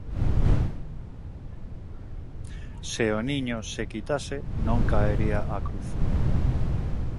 Se o niño se quitase, non caería a cruz.